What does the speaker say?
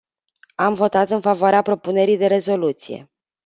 Am votat în favoarea propunerii de rezoluție.